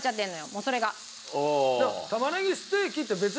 もうそれが。